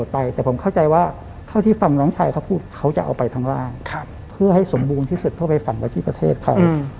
บูมที่สุดเพราะไปฝั่งกับที่ประเทศร์ค่ะ